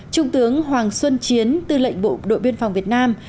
trung tướng hoàng xuân chiến tư lệnh bộ đội biên phòng việt nam